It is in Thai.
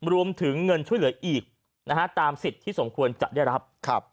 รวมถึงเงินช่วยเหลืออีกตามสิทธิ์ที่สมควรจะได้รับ